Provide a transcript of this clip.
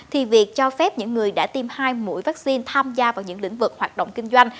thì việc cho phép những người đã tiêm hai mũi vaccine tham gia vào những lĩnh vực hoạt động kinh doanh